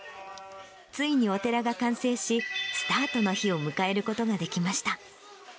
ついにお寺が完成し、スタートの日を迎えることができました。